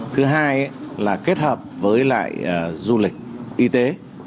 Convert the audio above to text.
thứ hai là kết hợp với lại du lịch y tế